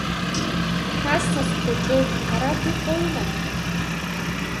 Ҳасас хәыҷы ара дыҟоума?